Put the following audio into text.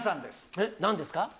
えっ何ですか？